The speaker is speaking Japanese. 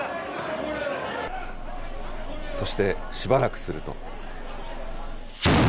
そしてしばらくすると。